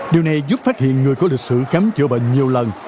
điều này giúp phát hiện người có lịch sử khám chữa bệnh nhiều lần